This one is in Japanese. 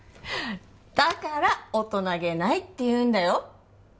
だから大人げないっていうんだよ